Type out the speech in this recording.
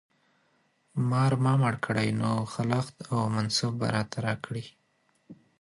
مار ما مړ کړی نو خلعت او منصب به راته راکړي.